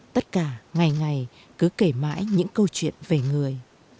tất cả ngày ngày cứ kể mãi những câu chuyện về người